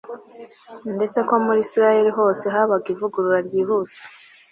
ndetse ko muri Isirayeli hose haraba ivugurura ryihuse